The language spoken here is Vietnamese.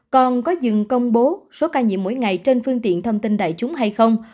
còn có dừng công bố số ca nhiễm mỗi ngày trên phương tiện thông tin đại chúng hay không